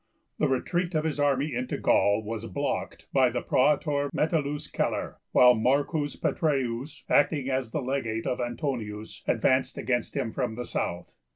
The retreat of his army into Gaul was blocked by the Praetor Metellus Celer, while M. Petreius, acting as the legate of Antonius, advanced against him from the south.